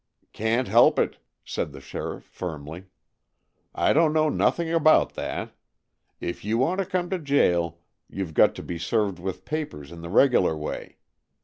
"Can't help it!" said the sheriff firmly. "I don't know nothing about that. If you want to come to jail, you've got to be served with papers in the regular way.